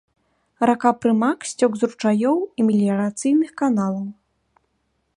Рака прымак сцёк з ручаёў і меліярацыйных каналаў.